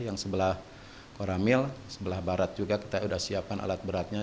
yang sebelah koramil sebelah barat juga kita sudah siapkan alat beratnya